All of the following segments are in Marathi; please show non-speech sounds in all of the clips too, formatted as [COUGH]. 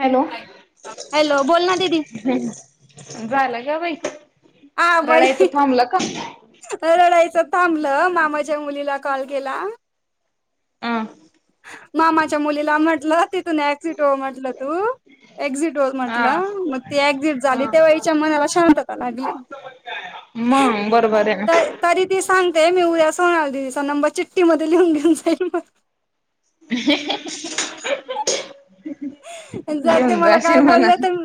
हॅलो हॅलो बोल ना दीदी झाला का बाई आ बाई रडायचं थांबलं का रडायचं थांबलं मामाच्या मुलीला कॉल केला हं मामाच्या मुलीला म्हटलं तिथून एक्सिट हो म्हटलं तू. एक्झिट हो हा म्हटलं मग ती एक्झिट ह झाली तेव्हा हिच्या मनाला शांतता लागली. मग बरोबर हे ना तरी ती सांगते मी उद्या सोनलदिदीचा नंबर चिट्टी मध्ये लिहून घेऊन जाईल म्हणू [UNINTELLIGIBLE] जाते घेऊन मला जाशील काय म्हणा बोलले तर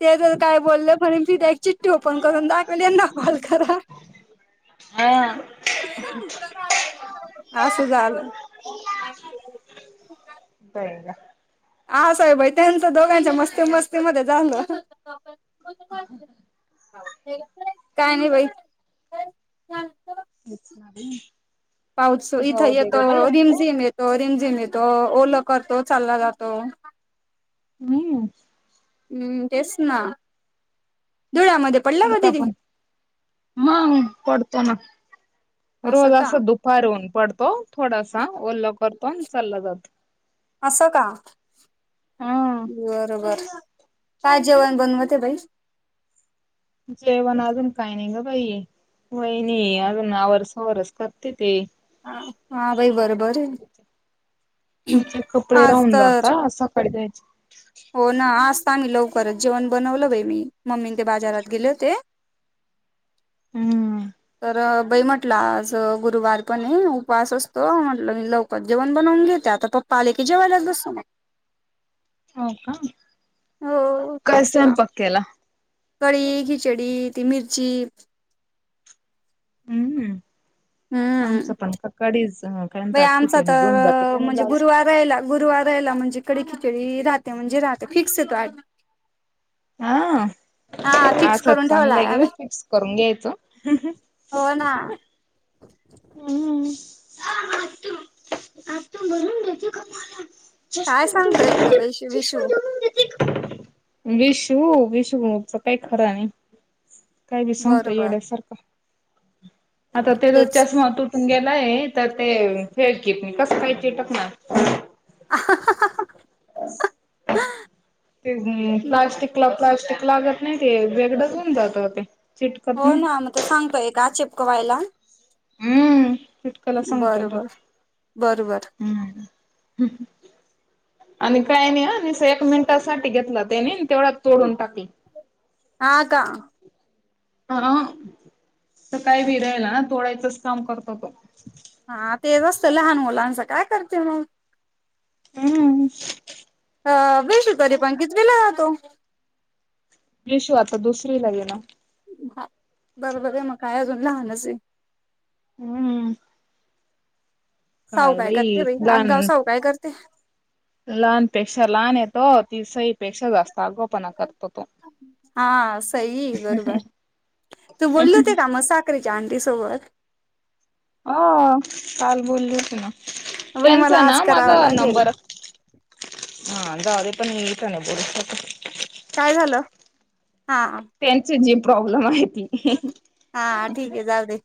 ते जर काय बोलले तर [UNINTELLIGIBLE] ओपन करून दाखवेल यांना कॉल करा हां असं झालं [UNINTELLIGIBLE] बयाला हा साहेबाई त्यांचं दोघांच्या मस्ती मस्तीमध्ये झाल. काय नाही बाई तेच ना बाई. पाऊस इथे जाऊ दे येतो ग एकत रिम- झिम ये तो रिम -झिम येतो, ओल करतो, चालला जातो. हम्. हम्म, तेच ना धुळ्यामध्ये पडला का ईथ दिदी पण मग पडतो ना, रोज असं दुख पडून पडतो थोडासा, ओल्ल करतो, अन् चालला जातो. असं का? हा बर बर, काय जेवण बनवते बाई? जेवण अजून काही नाही ग बाई, वहिणी अजून आवरसवरस करते ते ह हा, बाई बरोबरय. तीचे कपडे आज राहून तर जाता सकाळी धोयचे. हो ना आज तर आमी लवकरच जेवण बनवलं बाई मी, मम्मी ते बाजारात गेले होते. हम्म तर बाई म म्हटला आज गुरुवार पणय उपवास असतो. म्हटलं मी लवकरच जेवण बनवून घेत ते आता पप्पा आले की जेवायलाच बसू मग. हो का हो काय तेच ना. स्वयंपाक केला? कडी, खिचडी ती मिरची हम्म. हम्म आमचं पण कडीच काय बाई म्हणतात आमचा खिचडी तर म्हणजे [UNINTELLIGIBLE] [UNINTELLIGIBLE] गुरुवार राहिला म्हणजे कडे खिचडी राहते म्हणजे राहते फिक्स ये तो हा, हा फिक्स असच करून चांगलं ठेवलाय आहे ग आम्ही बाई फिक्स करून घ्यायचं. हो ना. हम्म. [UNINTELLIGIBLE] काय सांगतोय ग बाई विशू [INAUDIBLE] विषु, विषुच काय खर नाही. काय बी सांगतय बरोबर येड्यासारखं, आता ते तेच चष्मा तुटून गेलाय तर ते फेविकिकनि कसं काय चिटकणार? [INAUDIBLE] [INAUDIBLE] ते प्लास्टिकला प्लास्टिक लागत नाही ते वेगळंच होऊन जात ते चिटकत हो नाही ना मग त सांगतोय का चिपकवायला? हम्म, चिटकला सांगतोय तो बरोबर बरोबर हम्म. आणि काय नाही अं निसता एक मिनिटासाठी घेतला त्यानी तेवढा तोडून टाकला. हां का? अं अं, सकाळी बी रडला तोडायचच काम करतो तो. हा तेच असतं लहान मुलांचं काय करते मग? हम्म. अ वीशु तरी पण कितविला तो? विशू आता दुसरीला गेला. बर बर आहे मग काय अजून लहानच आहे. हम्म. साऊ काय करते बाई, आगाव साऊ काय करते? लहांनपेक्षा लहांनय तो ती सईपेक्षा जास्तं आगांउ हां सई बरोबर तूं बोलली होती कां मंग सां करीच्यां आंटी सोबतं. हो कांल बोलली होती नां बाई त्यांच मला आज नां करावं माझां लागेल नंबर हां जाऊं दे पणं इथं नाहीं बोलूं शकतं. कायं झालं हां. त्यांच जी प्रॉब्लेम आहे ती. हां ठीक आहे जाऊं दे.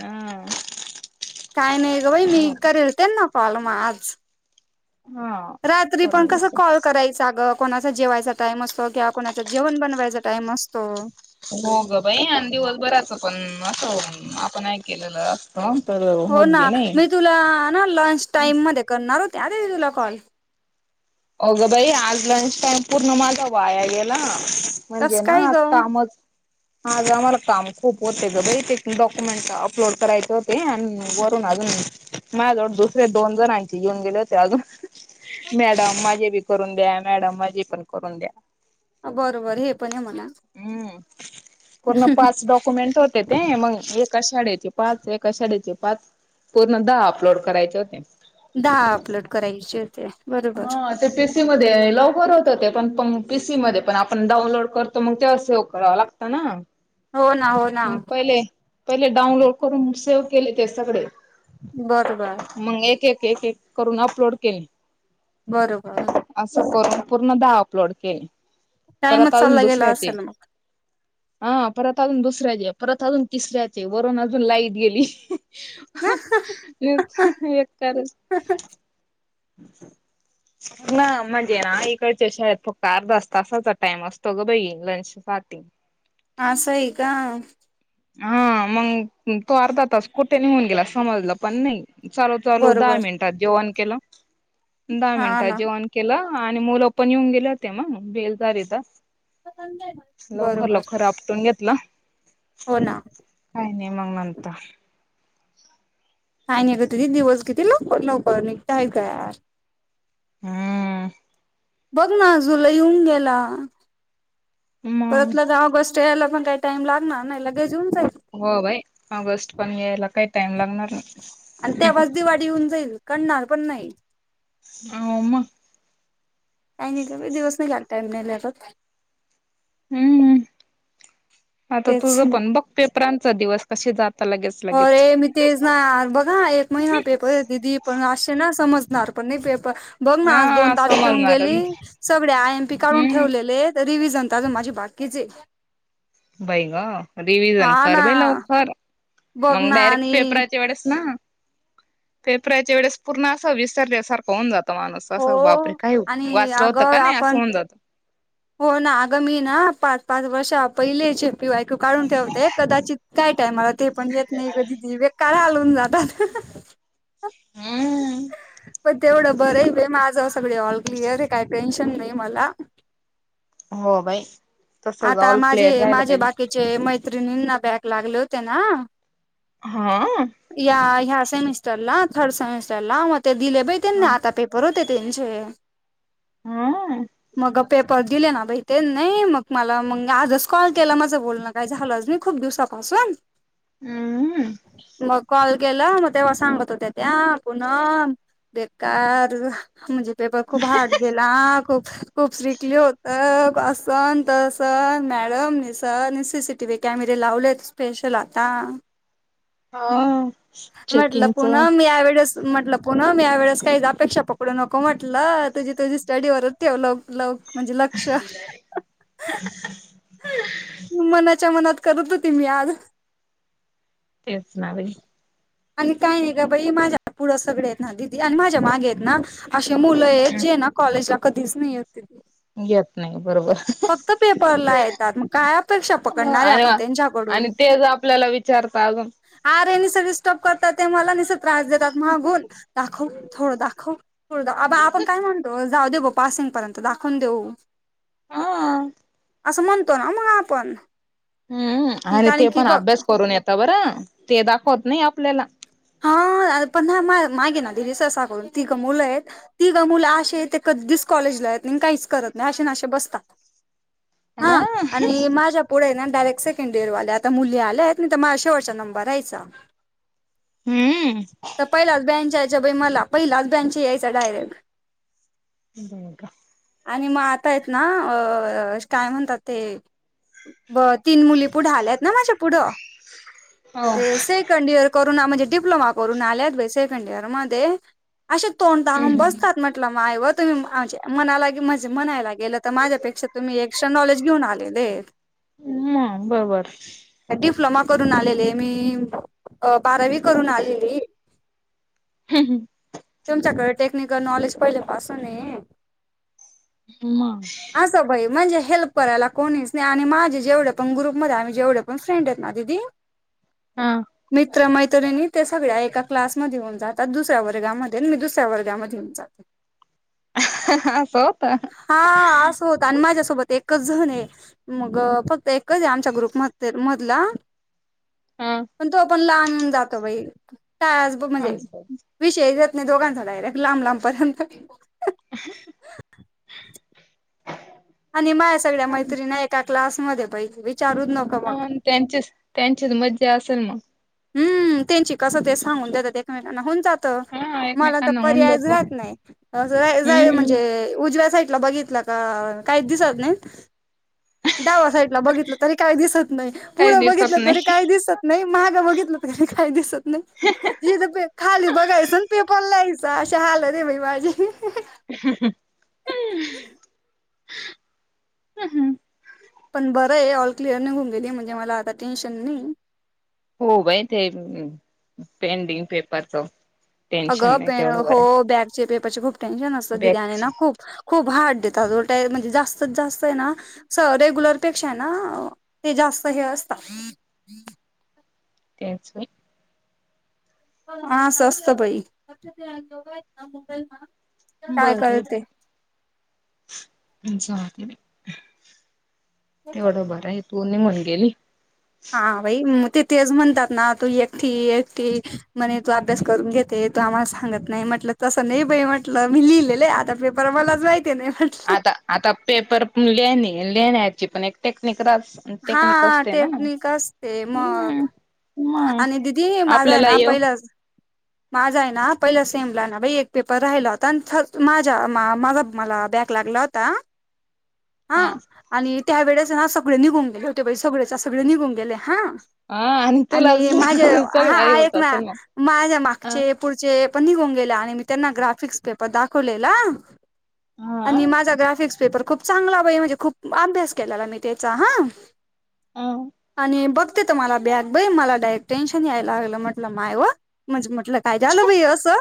हां. कांहीं नाहीं गं बाई मी करेल त्यांना कॉल मंग आंज. हा रात्री करून पणं कसं घ्यायचं. कॉल करांयचा गं? कोणांचा जेवांयचा टाईम असतो किंवा कोणां जेवणं बनवांयचा टाईम असतो हो गं बाई आणि दिवसं बराचं पणं असं हो आपणं नाहीं केलेलं कांस करं हो नां मी तुलां नां लंच टाईम मध्यें करणारं हो त्यां आद तुलां कॉल होगं बाई आंज लंच टाईम पूर्ण माझां वायां गेलां कस म्हणजे नां काय ग आंज कामं चं आंज आम्हांला कामं खूंप होते गं बां ते डॉक्युमेंट अपलोड करायचे होते आणि अजूंन माझंजवळं दुसरे दोन जणांची येेऊन गेले होते अजूंन मॅडम माझे बी करूंन द्यां मॅडम माझी पणं करूंन द्यां बरोबर हे पणं आहे मलां हम्मं पूर्ण पांच कंप मीळतोचं ते मगं एकां शाळेचे पांच एकां शाळेचे पांच पूर्ण दहा अपलोड करायचे होते दहा अपलोड करायचे होते बरोबर हा ते पीसी मध्यें लवकरं होतं हो ते पणं प पीसी मध्यें पणं आपणं डाऊनलोड करतो मंग ते सेव करांवा लागतं नां हो ना हो ना मगं पहिले पहिले डाऊंनलोड करूंन सेव्ह केले ते सगळें बरोबर मंग एक एक एक एक करूंन अपलोड केले बरोबर असं पूर्ण दहा अपलोड केले टाइमच परंत अजूंन चालला दुसरं गेला [UNINTELLIGIBLE] हां परंत अजूंन दुसऱ्यांचे परंत अजूंन तिसऱ्यांचे वरूंन अजूंन लाईट गेली हां हं ये येक तांर चं हं हां हं [UNINTELLIGIBLE] नां म्हणजे नां इकडच्यां शाळेतं फक्तं अर्धास तासांचा टाईम असतो गं भाई लंच पहाटे हां असं आहे कां हां मंग तो अर्धा तांस कुठे निघूंन गेलां समजलं पणं नाहीं चालूं चालूं दहा बरोबर मिनिटांत जेवणं केलं दहा हा मिनिटांत ना जेवणं केलां आणि मुलं पणं येऊंन गेले होते मंग बेलदारीदा लवकरं बरोबर लवकरं आपटूंन घेतलं हो ना. काय आणि मग म्हणता. काय नाही गं ती दिवस किती लवकर लवकर निघताय कार. हम्म. बघ ना जुलै येऊन गेला. मग परत लग ऑगस्ट चे यायला पण काही टाईम लागणार नाही लगेच येऊन जाईल. हो बाई. आगस्ट पण यायला काही टाइम लागणार नाही. आणि त्या आज दिवाडी येऊन जाईल कळणार पण नाही. औम. काही नाही का दिवस नाही लाल टाईम नाही लत बघ. हम्मम्‌. आता तेच तुझं ना पण बघ पेपरांचा दिवस कसे जाता लगेच. अरे लगेच मी तेज ना बघा एक महिना पेपर कर दिदी पण असे ना समजणार पण नाही पेपर. बघ ना आज दोन हा तारीख येऊन समजणार गेली. सगळे आय एम पी काढून हम्म ठेवलेले आहेत. रिव्हजन तर अजून माझी बाकीच हे. बाई ग. रिवि्हजन हा कर ना बाई लवकर. बघ मग ना डायरेक्ट आणि पेपराच्या वेळेस ना पेपराच्या वेळेस पूर्ण असा विसरल्यासारखा होन जातो. माणूस हो असं बापरे! काही आणि वाचलं होतं का अगं नाही असं आपण होऊन जातं. हो ना. आग मी ना पाच पाच वर्ष पहिले ज पी वायक्यू काढून ठेवते कदाचित काय टायमला ते पण येत नाही कधीदी बेकार हाल होवून जातात. हा. पण तेवढं बरं आहे माझं सगळी ऑल क्लिअर आहे. काही टेन्शन नाही मला. हो बाई. तसच आता ऑल माझे क्लिअर राहिलं माझे पाहिजे बाकीचे मैत्रिणींना बॅक लागले होते ना. हा. या ह्या सेमिस्टरला थर्ड सेमिस्टरला मग ते दिले बाई त्यां हा ना आता पेपर. परत आहे त्यांचे. हम. मग पेपर दिले ना बाई ते नाही मग मला मग आजच कॉल केला माझं बोलणं काय झालंच नाही खूप दिवसापासून. हम्. मग कॉल केला मग तेव्हा सांगत होत्या त्या पुनम बेकार म्हणजे पेपर खूप हार्ड गेला खूप खूप स्ट्रकली होत असन. सर मॅडम न सर सीसीटी व्ही कॅमेरे लावले स्पेशल आता. हा म्हटलं चेकिंगच पुनम या वेेळेस म्हटलं पुनम या वेळेस काही अपेक्षा पकडू नको म्हटलं तुझी तुझी स्टडीवरच ठेव लव लव म्हणजे लक्ष [INAUDIBLE] मनाच्या मनात करत होती मी आज. तेच ना बाई. आणि काय नाही का बाई माझ्या पुढं सगळे आहेत ना दिदी आणि माझ्या मागे आहेत ना. असे मुलं आहेत हम् जे ना कॉलेजला कधीच नाही ते. येत नाही बरोबर फक्त पेपरला आहेत. मग काय अपेक्षा पकडणार आहे आणि आपण त्यांच्याकडून? आणि तेच आपल्याला विचारता अजून आरे निस डिस्टर्ब करतात. ते मला निस त्रास देतात मागून. दाखव, थोडं दाखव, थोड दाखव. आपण काय म्हणतो जाऊ दे बा. पासिंग पर्यंत दाखवून देऊ. ह. असं म्हणतो ना म आपण. हम्म हम्म. की आरे ते कारण की पण बघ अभ्यास करून येता बरं. ते दाखवत नाही आपल्याला. हा पण ना माह्या मागेदी ससा करून. तिघ मुलंयेत. तिघ मुलं असये. ते कधीच कॉलेजला येत नाही. अन काहीच करत नाही. असेन आशे बसतात. हा आणि माझ्या पुढेय ना डायरेक्ट सेकंड डियरवाल्या आता मुली आल्यात. नाहीत महा शेवटचा नंबर रायचा. हम्म. त पहिलाच बँच यायच्या बाई मला. पहिलाच बँच यायचा डायरेक्ट. [UNINTELLIGIBLE] ब का? आणि म आता येत ना काय म्हणतात ते? ब तीन मुली पुढे आल्यात ना. माझ्या पुढं. हो ते स सेकंड डियर करून, म्हणजे डिप्लोमा करून आल्यात बाई सेकंड डियर मध्ये. अशा तोंड ताणून बसतात. म्हंटलं मायव तुम्ही आमच्या मनालागे, म्हणजे म्हनायला गेलं त तुम्ही माझ्यापेक्षा एक एक्स्ट्रा नॉलेज घेऊन आलेले. म बरोबर. त्या डिप्लोमा करून आलेले. मी बारावी करून आलेली. [UNINTELLIGIBLE] तुमच्याकड टेक्निकल नॉलेज पहिले पासूने. म. असं बाई म्हणजे हेल्प करायला कोणीच नाही. आणि माझे जेवढे पण ग्रुपमध्ये आम्ही जेवढे पण फ्रेंडेत ना दिदी. [INAUDIBLE] ह. मित्र मैत्रिणी. ते सगळ्या एका क्लासमध्ये होऊन जातात. दुसऱ्या वर्गामध्ये. मी दुसऱ्या वर्गामध्ये येऊन जाते. असं होत हा अस होत ता. आण माझ्यासोबत एकच जणे. मग फक्त एकचे आमच्या ग्रुप म मधला. हा पण तो पण लांब जातो बाई. टास ब हा म्हणजे विषयच नाही दोघांचा डायरेक्ट. लांब लांबपर्यंत. [UNINTELLIGIBLE] आणि माझ सगळ्या मैत्रिणी एका क्लासमध्ये बाई. विचारू नको मग. त्यांचीच त्यांचीत मज्जा असल मग? हम्म त्यांची कसं ते सांगून देतात एकमेना. होउन जात. त. हा मला त एकमेकांना होऊन पर्यायच जातो राहत नाही. जाय जाय हम्म म्हणजे उजव्या साईडला बघित त काहीच दिसत नाही. डावा साईट बघितलं तरी काही दिसत नाही. काही पुढ दिसत बघितलं तरी काही नाही दिसत नाही. महाग बघीत ल तरी काही दिसत नाही. [UNINTELLIGIBLE] जिथ प. खाली बघायचंन पेपर लायचं. अशी हालते बाई माझी. [UNINTELLIGIBLE] पण बरये. ऑल क्लिअर नीघऊ गेली. म्हणजे मला आता टेन्शन नाही. हो बाई ते, पेंडिंग पेपरच टेन्शन अगं नाही प तेवढं हो बरं बॅगचे पेपरचे खूप टेन्शन आहे असतं दीदे आणि बॅकच ना खूप. खूप हार्ड देतात म्हणजे जास्त जास्त आहे ना स रेग्युलरपेक्षा आहे ना ते जास्त हे असता तेच की. हां असं असतं बाई. काय बर मी करते. [UNINTELLIGIBLE] तेवढं बर आहे तू नी हून गेली. हा बाई ती तेच म्हणतात ना तू एकटी एकटी म्हणे तो अभ्यास करून घेते, तो आम्हाला सांगत नाही, म्हटलं तसं नाही बा म्हटलं मी लिहिलेलं आता पेप र आता मलाच माहिती नाही म्हटलं. आता आता पेपर पण लेणे लेण्याची पण एक टेक्निक राहत. हा टेक्निक असते हम्म मग. मग आणि दीदी माझा आहे आपल्याला ना येव पहिलाच माझा आहे ना पहिला सेमला ना बाई एक पेपर राहिला होता आणि माझा माझा मला बॅक लागला होता. हा आणि त्या वेळेस ना सगळे निघून गेले होते बाई, सगळेच्या सगळे निघून गेले हा. हा तुला आणि माझ्या सगळं हा आई होत आहेत ना असेल मग माझ्या अ मागचे पुढचे पण निघून गेले आणि मी त्यांना ग्राफिक्स पेपर दाखवलेला. हा आणि माझा ग्राफिक्स पेपर खूप चांगला बाई, म्हणजे खूप अभ्यास केलेला मी त्याचा हा. अ आणि बघ तेत मला बॅग बाई मला डायरेक् टेन्शन यायला लागलं म्हटलं माय व म्हटलं काय झालं बाई असं,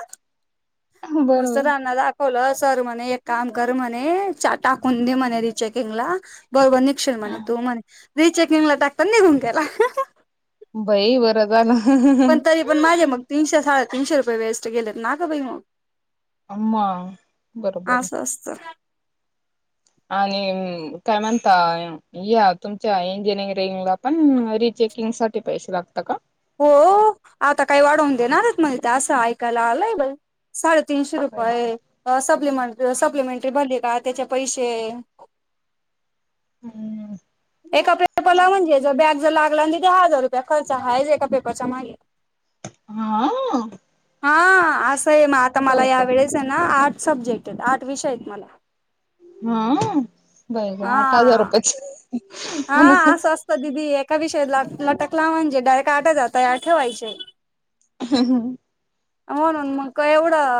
मस्त बरोबर जाणार [UNINTELLIGIBLE] सर म्हणे एक काम कर म्हणे टाकून दे म्हणे रि चेकिंगला. बर बर निघशेल म्हणे तू म्हणे रिचेकिंगला टाकता निघून गेला. बाई बरं झालं. पण तरी पण माझे मग तीनशे साडेतीनशे रुपये वेस्ट गलेत ना ग बाई मग. आमा, बरोबर. मस्त. आणि काय म्हणताय? या तुमच्या इंजिनिरिंगला पण रिचेकिंगसाठी पैसे लागता का? हो, आता काही वाढवून देणारेत म्हणे ते, असं ऐकायला आलंय बाई. साडेतीनशे होय ग. रुपय. सप्लिमेंट, सप्लिमेंटरी भरली का त्याच्या पैसे. हम्म. एका पेपरला म्हणजे जर बॅक जर लागला आणि ते हजार रुपये खर्च आहेच एका पेपरच्या मागे. हा. हा असं आहे म आता मला होय या ग. वेळेस ना आठ सब्जेक्ट, आठ विषय आहेत मला. हा, बय गं आठ हजार हा रुपयचं. हा असं असतं दिदी. एका विषयी लटकला म्हणजे डायरेक्ट आठ हजार तयार ठेवायचे. [UNINTELLIGIBLE] म्हणून मग काय एवढं